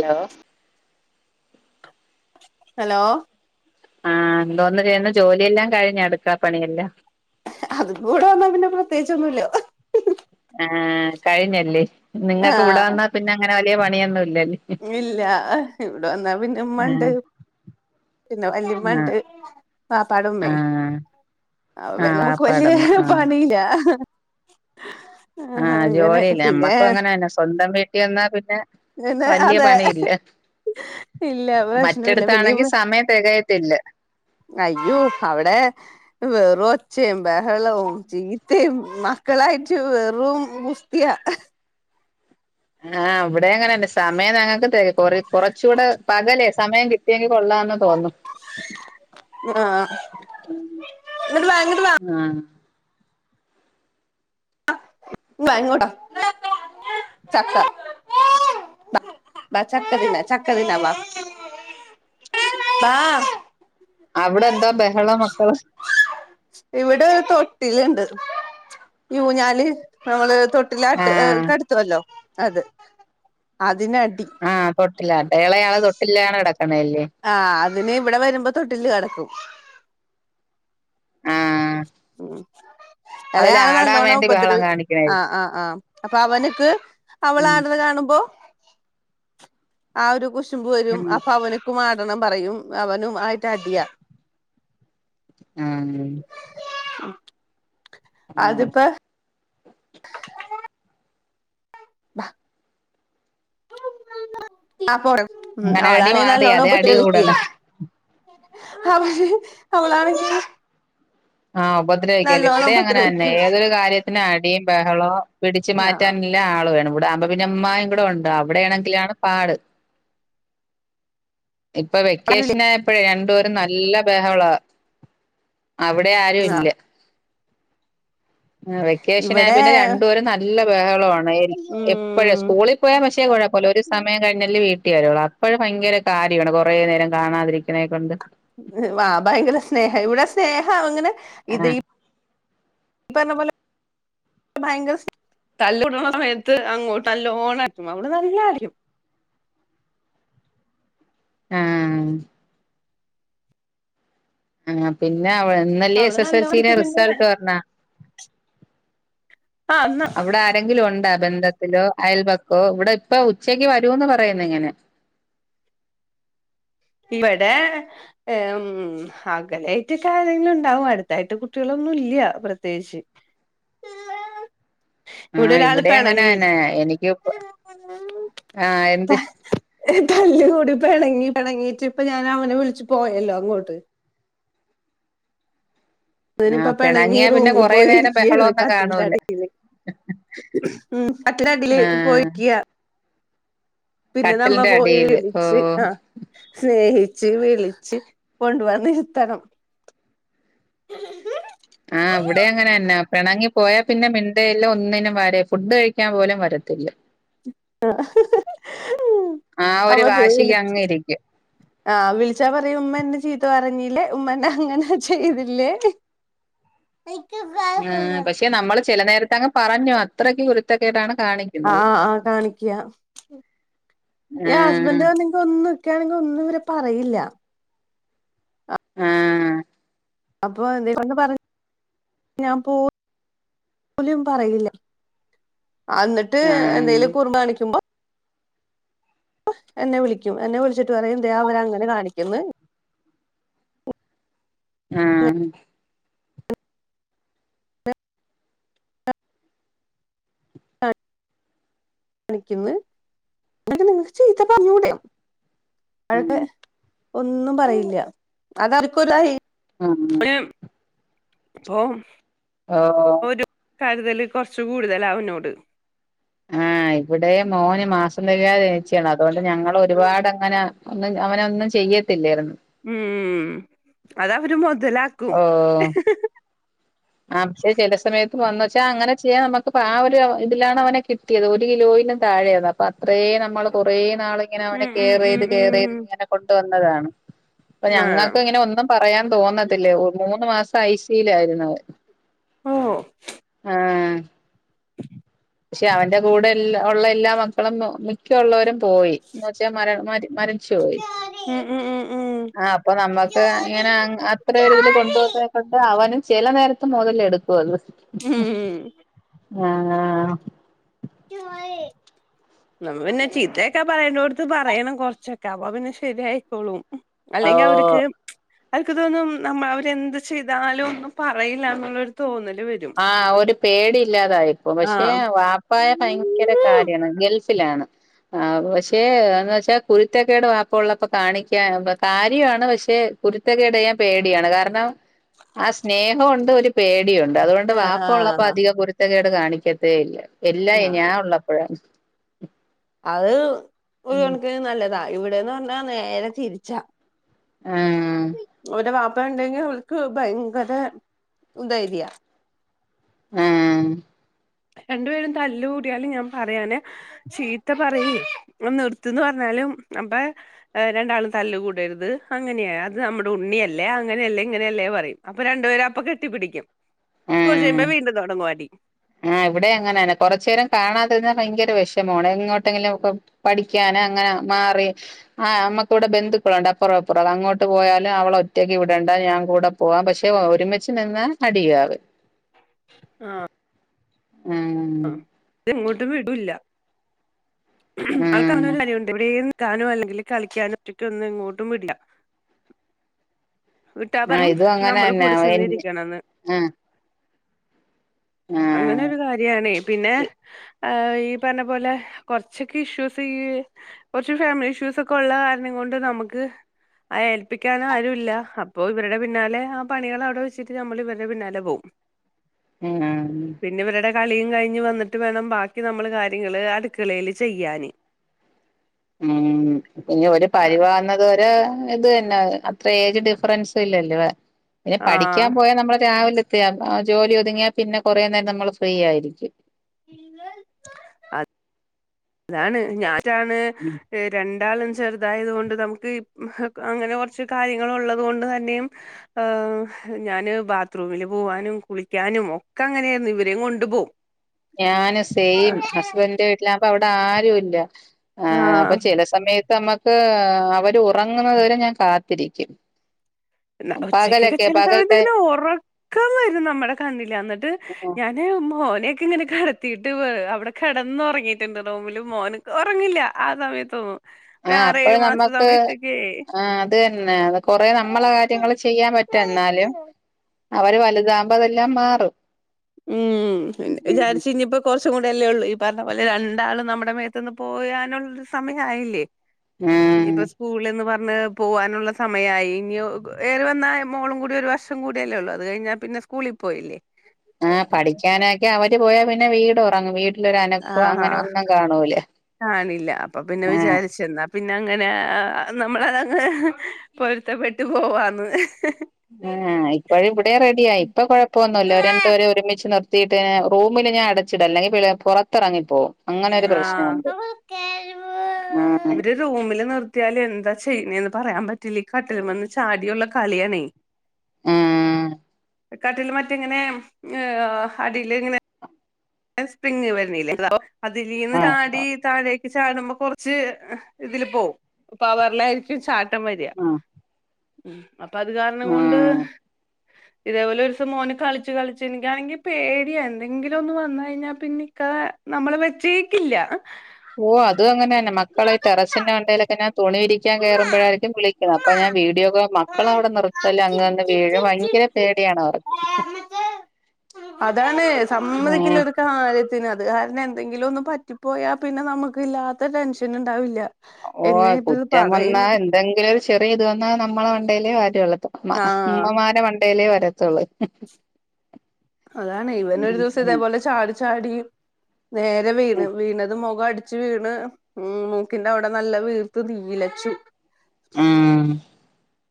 Hello hello ആ എന്തോന്ന ചെയ്യന്നെ ജോലിയെല്ലാം കഴിഞ്ഞോ അടുക്കള പണിയെല്ലാം അതും കൂടെ വന്നാ പിന്നെ പ്രത്യേകിച്ചൊന്നുമില്ല ആ കഴിഞ്ഞല്ലേ നിങ്ങൾക്കിവിടെ ആഹ് വന്നാ പിന്നെ അങ്ങനെ വലിയ പണിയൊന്നും ഇല്ലല്ലേ ഇല്ല ഇവിടെ വന്നാ പിന്നെഉമ്മാണ്ട് ആഹ് പിന്നെ വല്ലിയമ്മ ആഹ് ഉണ്ട് വാപ്പാടെ ഉമ്മയെ ആഹ് അ ആഹ് നമുക്ക് പക്ഷേ വാപ്പാടമ്മ ആഹ് പണിയില്ല ആ അങ്ങനെ ജോലില്ല പിന്നെ ഞമ്മക്കും അങ്ങനെന്നെ സ്വന്തം വീട്ടിൽ വന്നാ പിന്നെ പിന്നെ വല്യ അതെ പണില്ല ഇല്ല പ്രശ്നല്ല പിന്നെ ഇവ് മറ്റെടുത്താണെങ്കിൽ സമയം തികയത്തില്ല അയ്യോ അവിടെ വെറൊച്ചയും ബഹളവും ചീ ദേയ് മക്കളായിട്ട് വെറും ഗുസ്തിയാ ആഹ് ഇവടെ അങ്ങനെന്നെ സമയം ഞങ്ങക്ക് തെക കുറച്ചുകൂടെ പകലേ സമയം കിട്ടിയെങ്കി കൊള്ളാന്ന് തോന്നുന്നു ആ ഇങ്ങണ്ട് വാ ഇങ്ങണ്ട് വാ ആഹ് വയങ്ങോട്ടാ ചക്ക വാ ചക്ക തിന്ന ചക്ക തിന്ന വാ വാ അവിടെന്താ ബഹളം മക്കളെ ഇവിടെ തൊട്ടിലുണ്ട് ഊഞ്ഞാല് നമ്മള് തൊട്ടില് ആട്ട് ആ ആഹ് കിടത്തുവല്ലോ അത് അതിനടി ആഹ് തൊട്ടിലാട്ട ഇളയാള് തൊട്ടിലിലാണ് കിടക്കണല്ലേ അവന് ഇവിടെ വരുമ്പോ തൊട്ടിലില് കിടക്കും ആഹ് അതില് ഇളയാള് ആടാൻ നല്ലോണം വേണ്ടി ബഹളം ഉപദ്രവി ആഹ് കാണിക്കണായിരിക്കും ആഹ് ആഹ് അപ്പൊ അവന്ക്ക് ഉം അവളാട്ണെ കാണുമ്പോ ആ ഒരു കുശു മ്പ് വരും ഉം അപ്പൊ അവന്ക്കും ആടണം പറയും അവനും ആയിട്ട് അടിയാ മ്മ് മ്മ് മ്മ് അതിപ്പ ആ പോ മ്മ് അങ്ങനെ അടി അവളാണെങ്കി മാറി നല്ലോണം അതെ അടി കൂടണ ഉപദ്രവിക്കുവേ അവളാണെങ്കി ആ ഉപദ്രവിക്കുവല്ലേ ഇവിടേം അങ്ങനെന്നെ ഉപദ്രവിക്കും ഏതൊരു കാര്യത്തിന് അടീം ബഹളോം പിടിച്ചു ആഹ് മാറ്റാനെല്ലാം ആള് വേണം ഇവി ഇതാവുമ്പോ പിന്നെ ഉമ്മായും കൂടെ ഒണ്ട് അവിടെയാണെങ്കിലാണ് പാട് ഇപ്പൊ അവരില്ലേ വെക്കേഷനായപ്പോഴെ രണ്ടുപേരും നല്ല ബാഹളവാ ടെ ആരും ആഹ് ഇല്ല ആ വെക്കേഷനായെ ഇവിടെ പിന്നെ രണ്ടുപേരും നല്ല ബഹളവാണ് എൽ എപ്പഴ് ഉം സ്കൂളിൽ പോവാൻ പക്ഷേ കുഴപ്പോല്ല ഒരു സമയം കഴിഞ്ഞല്ലേ വീ വരോള് ഉള്ളപ്പഴ് ഭയങ്കര കാര്യവാണ് കൊറേ നേരം കാണാതിരിക്കണേ കൊണ്ട് ആ ഭയങ്കര സ്നേഹ ഇവിടെ സ് നേഹം അങ്ങനെ ആ ഇത് ഈ പറഞ്ഞ പോലെ ഭയങ്കര തല്ലൂടണ സമയത്ത് അങ്ങോട്ട് നല്ലോണം അടിക്കും അവള് നാല്ലോം അടിക്കും [inaudible] ഏ ആ പിന്നെ ഇന്നല്ലേ അവള് എസ് എസ് എൽ നല്ലോണം സിയുടെ അടിച്ചിട്ട് പിന്നെ റിസൾട്ട് വരണേ ആ എന്നാ അവടെ ആരെങ്കിലും ഒണ്ടാ ബന്ധത്തിലോ അയൽപ്പക്കോ ഇവിടെ ഇപ്പ ഉച്ചക്ക് വരൂന്ന് പറയന്ന് ഇങ്ങനെ [inaudible] ഇവടെ എ മ്മ് മ്മ് അകലേയിട്ടൊക്കെ ആരെങ്കിലുണ്ടാവും അടുത്തായിട്ട് കുട്ടികള് ഇല്ല്യ പ്രത്യേകിച്ച് [inaudible] ആ ഇവിടെ ഒരാള് ഇവിടേം പിണങ്ങി അങ്ങനെന്നെ എനിക്ക് ആഹ് എന്ത് ഹ ഹ് തല്ല്കൂടി പിണങ്ങി പിണങ്ങീട് ഇപ്പൊ ഞാൻ അവനെ വിളിച്ച്ച് പോയല്ലോ അങ്ങോട്ട് അവനിപ്പ ആഹ് പിണങ്ങി പിണങ്ങിയാ പിന്നെ റൂമി കൊറേ പോയി നേരം ഇരിക്കായിരുന്നു ബഹളമൊന്നും കട്ടിലിന്റെ കാണൂല അടിയില് മ്മ് കട്ടിലിന്റെ അടിയിൽ ആഹ് പോയിരിക്ക പിന്നെ നമ്മ കട്ടിലിന്റെ പോയി അടിയില് വിളച്ച് ഓഹ് ആ സ്നേഹി വീളിിച്ച കൊണ്ട വന്ന് ഇത്തണം ആ് അവിടെ അങ്ങനെന്നാ പിണങ്ങി പോയാ പിന്നെ മിണ്ടല്ലാം ഒന്നിനും വരെ ഫുഡ് കഴിക്കാൻ പോലും വരത്തി [unintelligible] ആ ആ ഒരു അപ്പൊ ച വിള വാശിക്ക് അങ്ങ് ഇരിക്കും ആഹ വിള ഉച്ചാ പറയും ഉമ്മെ ചീത്ത പറഞ്ഞീല്ലേ ഉമ്മന അങ്ങനെ ചെയ്തില്ലേ ഉ പക്ഷെ നമ്മള് ചില നേരത്തെ അങ്ങ് പറഞ്ഞു അത്രക്ക് കുുരുത്തൊക്കെട്ടാണ് ആ ആ ആഹ് കാണിക്കയാ ഹസ്ബൻഡ ആഹ് നി ഒന്ന് നക്കണ ഒന്നും ഇവർ പറയില്ല ആഹ അപ്പൊ എന്തീ കൊൊണ്ട് പറഞ്ഞു ഞാൻ പോ പോലും പറയില്ല എന്നിട്ട് ആഹ് എന്തേലും കൂർ്ബ് കാണിക്കുമ്പോ എന്നെ വിളിക്കും എന്നെ വിളിച്ചിട്ട് പറയുംന്താ അവര അങ്ങനെ കാണിക്കുന്ന് ആഹ [unintelligible] കാണിക്കുന്നു എന്ന നിങ്ങക്ക് ചീത്ത പറഞ്ഞൂട ഉം അടെ ഒന്നും പറയില്ല അതർക്കൊരു ആഹ ഇപ്പോ ആഹ കരുതല് കുറച്ച് കൂടുതല അവനോട് ആഹ് ഇവിടെ മോന് മാസം തകാതെ ജനിച്ചാണ് അതുകൊണ്ട് ഞങ്ങൾ ഒരുപാട് അങ്ങനെ ഒന്നും അവനൊന്നും ചെയ്യത്തില്ലായിരുന്നു ഉം അത അവര് മുതലാക്കും ഓഹ് ആ പക്ഷെ ചില സമയത്ത് വന്ന വച്ചാൽ അങ്ങനെ ചെയ്യാൻ നമുക്ക്ിപ്പ ആ ഒരു ഇതിലാണ് അവനെ കിട്ടിയത് ഒരു കിലോയിലും താഴെയാണ്പ്പ അപ്പ അത്രേ നമ്മള് കൊറേ നാളിങ്ങനെ അവനെ ഉം ഉം കെയർ ചെയ്ത് കർ ഉം ചെയത് ഉം ഇങ്ങനെ കൊണ്ട വന്നതാണ്. അപ്പൊ ആഹ് ഞങ്ങൾക്ക് ഇങ്ങനെ ഒന്നും പറയാൻ തോന്നത്തില്ലേ ഒരു മൂന്ന് മാസം അഐശയിലായിരുന്നു ഓ ആം [unintelligible] പക്ഷെ അവന്റെ കൂടെ എല്ലാ ഉള്ള എല്ലാ മക്കളും മിക്കുള്ളവരും പോയി എന്ന് വെച്ചാൽ മ മ [unintelligible] ആ അപ്പൊ നമ്മുക്ക് ഇങ്ങനെ അത്രരി ഇതിൽ കൊണ്ട പോുന്നതിനെ കൊണ്ട് അവനും ചില നേരത്തെ മുതല എടുക്കും അത് ഉം ആഹ [inaudible] നമ്മ പിന്നെ ചീത്തയൊക്കെ പറയേണ്ട കൊടുത്ത് പറയണം കൊറച്ചൊക്കെ അപ്പൊ പിന്നെ ശരിയായിക്കോളും അല്ലെങ്കിൽ ഓ അവർക്ക് അവർക്ക് തോന്നും നമ്മൾ അവരെന്ത് ചെയ്താലും ഒന്നും പറയില്ല എന്നുള്ളരു തോന്നില്ല ആഹ ഒരു പേടി ഇല്ലാതായിപ്പോ പക്ഷെ ആഹ് വാപ്പ് ായ ഭയങ്കര കാര്യമാണ് ഗൾഫിലാണ്. ആ പക്ഷെ എന്ന വച്ചാ കുരുത്തക്കട് പാപ്പ ഉള്ളപ്പോൊ കാണിക്കാൻ കാര്യമാണ് പക്ഷെ കുരുത്തക്കേട് ചെയ്യാൻ പേടിയാണ് കാരണം ആ സ്നേഹം ഉണ്ട് ഒരു പേടിയുണ്ട് ണ്ട് ആഹ് പാപ്പ ഉള്ളപ്പോ ആഹ് അധികം പരുത്തകേട് കാണിക്കത്തേ ഇല്ല എല്ലാ ആഹ് ഞാൻ ഉള്ളപ്പോഴാണ് അത് ഒരു കണക്കിന് നല്ലതാ ഇവിടെന്ന് പറഞ്ഞാ നേരെ തിരിച്ചാ ആഹ് ഓന്റെ വാപ് പ്പ ഇണ്ടെങ്കിൽ ഓൽക്ക് ഭയങ്കര ധൈര്യാ ആ രണ്ടു പേരും തല്ലുകൂടിയാലും ഞാൻ പറയാനെ ചീത്ത പറയിൽ അത് നിർത്ത്ന്ന് പറഞ്ഞ ഞാലും അപ്പൊ രണ്ടാളും തല്ല് കൂടരുത് അങ്ങനെയാ അത് നമ്മുടെ ഉണ്ണിയല്ലേ അങ്ങനെയല്ലെ ഇങ്ങനെയല്ലേ പറയും അപ്പൊ രണ്ടുപേരുംഅപ്പൊ കെട്ടിപ്പിടിക്കും കൊർച്ചെയ്യുമ്പോ വീണ്ടും തൊടങ്ങൊഅടി ഇവിടേം അങ്ങനെന്നേ കൊറച്ചേരം കാണാതെര്ന്നാ ഭയങ്കര വെഷമുആണ് എങ്ങോട്ടെങ്കിലൊക്കെ പഠിക്യാനങ്ങനെ മ മാറി ആ അമ്മക്ക്വ്ടെ ബന്ധുക്കളുണ്ട് അപ്പറോംഇപ്പറോം അങ്ങോട്ട് പോയാല് അവളൊറ്റക്ക് വിടണ്ടാ ഞാപോ കൂടെ പോവാ പക്ഷെ ഒരുമിച്ച് നിന്നാ അടിയാവ് അവര് ആഹ് ആ ഉം ഇതെങ്ങോട്ടുംവിട്യുല്ല അത് ഉം ആൾക്കങ്ങനൊരു കാര്‌യോണ്ട് ഇവിടേന് [unintelligible] ല്ലെങ്കില്, കളിയ്കാന് ഒറ്റയ്ക്ക് ന്നും എങ്ങോട്ടും വിട്ല. ആഹ് വിട്ടാപറിം, ഇതും ഹം, അങ്ങനെ തന്നെ നമ്മള്കൂടെ ചെന്നിരിക്കണംന്ന്. ആഹ് ആഹ് അങ്ങനൊരു കാര്യാണേ. പിന്നെ, ആ ഈ പറഞ്ഞപോലെ, കൊറച്ചൊക്കെ ഇഷ്യൂസ്, ഈ കൊറച്ച് ഫാമ്ലിഷ്യൂ [inaudible] [unintelligible] സൊക്കൊ ഉള്ള കാരണം കൊണ്ട് നമ്ക്ക്, അത് ഏൽപ്പിക്കാനാരൂല്ല. അപ്പോ ഇവര്ടെ പിന്നാലെ, ആ പണികളവ്ടെ വെച്ചിട്ട് നമ്മൾ ഇവരെ പിന്നാലെ പോകും. ഹ് ആ കളിയും കഴിഞ്ഞ് വന്ന്ട്ട് വേണം, ബാക്കി നമ്മള് കാര്യങ്ങള് അടുക്കളേല് ചെയ്യാാന്. ഉം. ഇഞ്ഞ് ഒര്പരിവാവ്ന്നത് വരെ [inaudible] ഇത് എന്നാ? അത്ര ഏജ് ഡിഫ്റൻസ് ഇല്ലല്ലോ? പിന്നെ പഠിക്കാൻ പോയ നമ്മള് രാവില് [inaudible] [unintelligible] ജോലി ഒത്ങ്ങ്യാ പിന്നെ, കൊറേ നേരം നമ്മള് ഫ്രിയായിരിക്കും. അ [inaudible] താണ്, [unintelligible] ഇ രണ്ടാളും ചെറ്തായത് കൊണ്ട്, നമക്ക് ഇപ് ഹ് അങ്ങനെ കൊറച്ച് കാര്യങ്ങൾ ഇള്ളത് കൊണ്ട് തന്നെയും, ആ ഞാന് ബാത്റൂമില് പൂവാനും, കുളിയ്ക്കാനും ഒക്കെങ്ങനെ യേർന്നു. ഇരിംകൊണ്ട് പോവും. ഞാന് സൈം. ഹസ്ബൻന്റെ വീട്ലാവുമ്പൊ അവ്ടെ ആരൂല്ല. ആ. അപ്പൊ ആഹ് ചില സമയത്ത് അമ്മ [inaudible] ഇഹ്‌, അവരുറങ്ങ്ന്നത്‌ വരെ ഞാൻ കാത്തിരിക്കും. ഇല്ല ഉച്ചയ്കൊക്കെ പകലൊക്കെ പകൽ ടൈ ചെറ്തായിട്ട്ങ്ങ്നെ ഒറക്കംവരുംനമ്മളെ കണ്ണില് അന്ന്ട്ട് ഞാന് ക്മോനെ ക്ങ്ങനെ കടത്തിയിട്ട് വേ അവിടെ കെടന്നൊറങ്ങിട്ട്ണ്ട് റൂമില് മോനക്ക് ഒറങ്ങില്ല ആ സമയത്തൊന്നും ആ ഒരു അപ്പഴ് ആറേഴു മാസ നമ്മക്ക് സമയത്തൊക്കെ ആ അത് തന്നെ കൊറേ നമ്മള് കാര്യങ്ങള് ചെയ്യാൻ പറ്റൊഎന്നാലും അവര് വലുതാവുമ്പോ അതെല്ലാം മാറും ഉം ഇന് ഉം വിചാരിച്ച് ഇനിയിപ്പെ കൊറച്ച് ച്ച് ചൂടെയെല്ലേ ഒള്ളൂ ഈ പറഞ്ഞ പോലെ രണ്ടാളും നമ്മടെ മേത്ത് പോയാനൊള്ളു സമയായില്ലേ ആഹ് ഇനിയിപ്പൊ സ്കൂളീന്ന് വർ മ് പോവാനുള്ള സമയായി ഇനിയോ ഏറിവന്ന മോളുക്കൂടി ഒരു വർഷക്കൂടി അല്ലേയൊള്ളൂ അത് കഴിഞ്ഞാ പിന്നെ സ്കൂളിൽ പോയില്ലേ ആ പഠിക്കാനൊക്കെ അവര് പോയാ പിന്നെ വീട് ഉറങ്ങും വീട് ല് ഒര് അനക്കവെ ആഹാ അങ്ങനെയെന്നും കാണൂല്ല കാണില്ല അപ്പൊ പിന്നെ വിചാരിച്ച് എന്നാ പിന്നെ അങ്ങനെ ആ ആ നമ്മളതങ്ങ് പൊരുത്തപ്പെട്ടു പോവാന്ന് ആ ഇപ്പഴ് ഇവിടെം റെഡിയായി ഇപ്പൊ കൊഴപ്പൊന്നുല്ല രണ്ടുപോരെ ഒരുമിച്ച് നിർ വീട്ടിന് റൂമില് ഞാൻ അടച്ചിട് അല്ലെങ്കിൽ പൊറത്ത് ഇറങ്ങിപ്പോവും അങ്ങനൊരു ആഹ് പ്രശ്നവുണ്ട് ഇവര് റൂമില് നിർത്തിയാല് എന്താ ചെയ്യ്ന്നെ‌ന്ന് പറയാൻ പറ്റില്ല്യ ഈ കട്ടില്മ്മന്ന് ചാടിയൊള്ള കളിയാണേ ആ കട്ടില് മറ്റിങ്ങനെ ഉം ങ്ങ്‌ അടിയില് ഇങ്ങനെ സ്പ്രിംഗ് വര്ണില്ലേ [unintelligible] അതിലീന്ന് ആഹ് ചാടി താഴെ ചാടുമ്പോ കൊറച്ച് ഹ് ഇതില് പോവും പവർലായിരിക്കും ചാട് ടംവരിയാ ആഹ് അപ്പം അത് കാരണം കൊണ്ട് ആഹ് ഹ് ഇതേപോലെ ഒരു ദിവസം മോന് കളിച്ച് കളിച്ച് എനിക്കാണെങ്കി പേടിയാ എന്തെങ്കിലും ഒന്ന് വന്നാ കഴിഞ്ഞ പിന്നിഇക്ക നമ്മള് വെച്ചേക്കില്ല ഓ അതും അങ്ങനെന്നെ മക്കളെ ടെറസിന്റെ മണ്ടെലൊക്കെ ഞാൻ തുണി വിരിക്കാൻ കേറുമ്പോഴായിരിക്കും വിളിക്കുന്നത് അപ്പൊ ഞാൻ വീഡിയോകോ മക്കള അവിടെ നിർത്തല്ല അങ്ന്ന് വീഴും ഭയങ്ക ര പേടിയാണ് അവർക്ക്. അതാണ് സമ്മതിക്കില്ല ഏഹ് എടുക്കണ വരേം ത്തില്ല അത് കാരണം എന്തെങ്കിലും ഒന്ന് പറ്റിപ്പോയാൽ പിന്നെ നമുക്ക് ഇല്ലാത്ത ടെൻഷൻ ഉണ്ടാവില്ല. ഓ എങ്ങനെ ഇപ്പ ഇത് കുറ്റം വന്നാ പറയും എന്തെങ്കിലും ഒരു ചെറിയ ഇത് വന്നാ നമ്മളെ മണ്ടേലെ വരോള്ളു. ഉമ്മ ആഹ് ഉമ്മമാരെ മണ്ടേലേ വരതൊള്ളൂ. അതാണ് ഇവന് ഒരു ദിവസം ഇതേപോലെ ചാടി ചാടി നേരെ വീണ് ഉം വീണത് മുഖം അട് ച്ച് വീണ് ഉം മൂക്കിന്റെ അവിടെ നല്ല വീർത്ത് നീലച്ചു. ആഹ്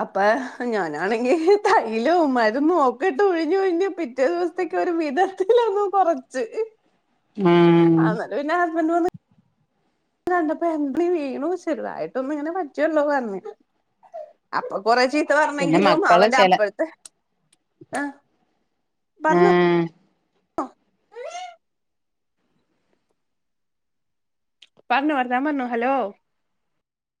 അപ്പൊ ഞാനാണെങ്കി തൈലോ മര് ന്നും നോക്കിട്ട് ഉഴിഞ്ഞു ഉഴിഞ്ഞ് പിറ്റേ ദിവസത്തേക് ക്ക് ഒരു വിധത്തിലന്ന് കുറച്ച് ഉം അന്നേരം പിന്നെ ഹസ്ബെന്റ് വന്ന് കണ്ടപ്പോ എന്ത് വീണു ചെറുതായിട്ട്ഒന്ന് ഇങ്ങനെ പറ്റിള്ളു പറഞ്ഞ്. അപ്പ കൊറേ ചി ത്ത പിന്നെ പറഞ്ഞെങ്കിലും മക്കളെ അവന്റെ ചെല അപ്പഴത്തെ ആ പറഞ്ഞു. ആഹ് പറഞ്ഞോ പറഞ്ഞോ [unintelligible] ഹലോ.